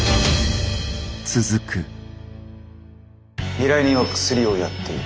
依頼人はクスリをやっている。